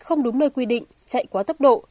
không đúng nơi quy định chạy quá tốc độ